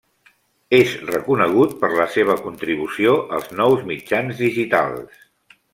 És reconegut per la seva contribució als nous mitjans digitals.